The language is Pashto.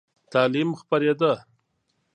تعلیم خپرېده.